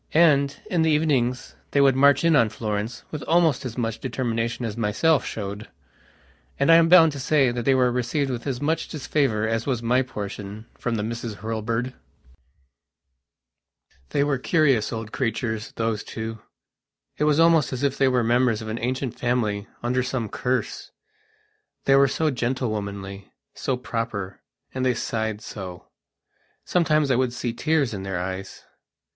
And, in the evenings, they would march in on Florence with almost as much determination as I myself showed. And I am bound to say that they were received with as much disfavour as was my portionfrom the Misses Hurlbird.... They were curious old creatures, those two. It was almost as if they were members of an ancient family under some cursethey were so gentlewomanly, so proper, and they sighed so. Sometimes I would see tears in their eyes.